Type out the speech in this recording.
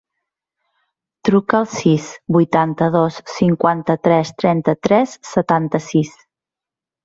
Truca al sis, vuitanta-dos, cinquanta-tres, trenta-tres, setanta-sis.